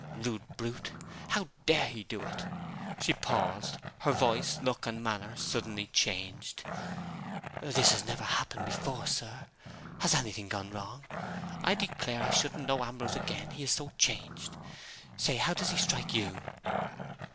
Rude brute! How dare he do it?" She paused; her voice, look and manner suddenly changed. "This has never happened before, sir. Has anything gone wrong? I declare, I shouldn't know Ambrose again, he is so changed. Say, how does it strike you?"